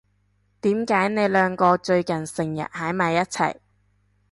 點解你兩個最近成日喺埋一齊？